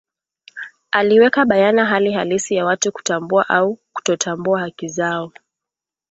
aliweka bayana hali halisi ya watu kutambua au kutotambua haki zao